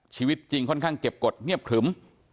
ชีวิตจริงค่อนข้างเก็บกฎเงียบขรึม